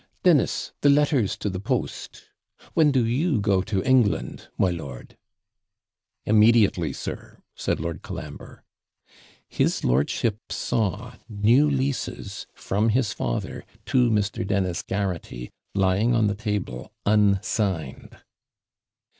'Dennis! the letters to the post. When do you go to England, my lord?' 'Immediately, sir,' said Lord Colambre; his lordship saw new leases from his father to Mr. Dennis Garraghty, lying on the table, unsigned.